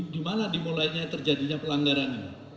dimana di mulainya terjadinya pelanggaran ini